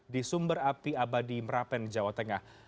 di sumber api abadi merapen jawa tengah